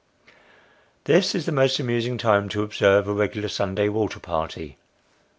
This is the most amusing time to observe a regular Sunday water party.